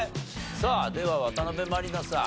さあでは渡辺満里奈さん。